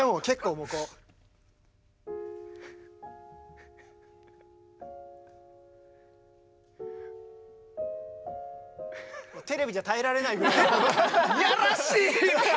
もうテレビじゃ耐えられないぐらいのこの。